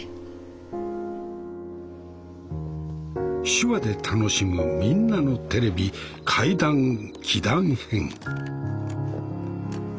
「手話で楽しむみんなのテレビ怪談・奇談編」。